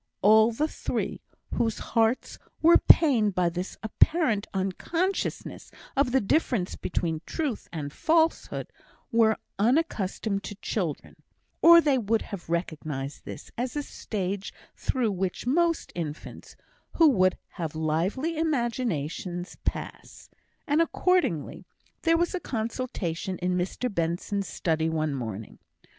All the three, whose hearts were pained by this apparent unconsciousness of the difference between truth and falsehood, were unaccustomed to children, or they would have recognised this as a stage through which most infants, who have lively imaginations, pass; and, accordingly, there was a consultation in Mr Benson's study one morning.